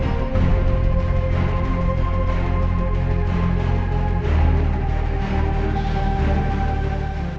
kami benar benar sangat berterima kasih kepada ibu eni dan bapak lugi